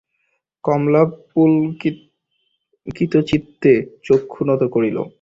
কমলা পুলকিতচিত্তে চক্ষু নত করিল।